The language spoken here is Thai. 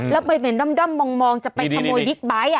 แล้วไปเหม็นด้อมมองจะไปขโมยบิ๊กไบท์